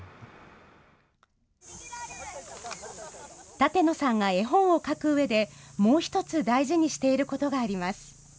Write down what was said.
舘野さんが絵本を描くうえで、もう一つ大事にしていることがあります。